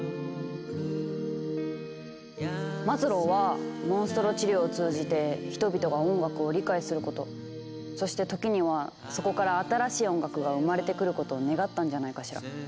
マズローはモンストロ治療を通じて人々が音楽を理解することそして時にはそこから「新しい音楽」が生まれてくることを願ったんじゃないかしら。